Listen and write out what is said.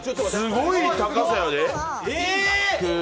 すごい高さやで！？